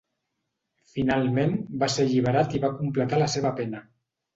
Finalment va ser alliberat i va completar la seva pena.